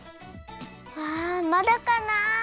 ああまだかな？